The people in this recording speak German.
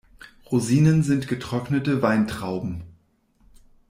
Rosinen sind getrocknete Weintrauben.